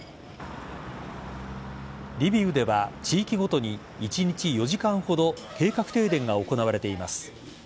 リビウでは、地域ごとに１日４時間ほど計画停電が行われています。